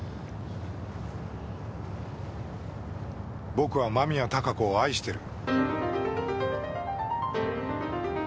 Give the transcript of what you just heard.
僕は間宮貴子を愛してる。